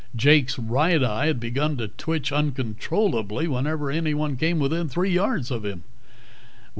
Jake's right eye had begun to twitch uncontrollably whenever anyone came within three yards of him.